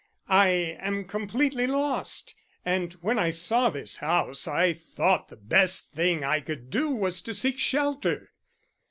"I am completely lost, and when I saw this house I thought the best thing I could do was to seek shelter."